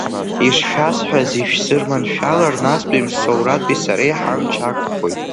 Ишшәасҳәаз ишәзырманшәалар, настәи Мсоураҭи сареи ҳамч ақәхоит.